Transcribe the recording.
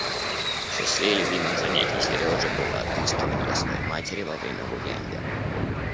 В числе любимых занятий Сережи было отыскиванье своей матери во время гулянья.